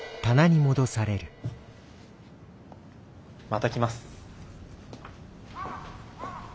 また来ます。